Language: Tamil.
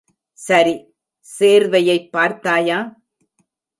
சரி, சேர்வையைப் பார்த்தாயா?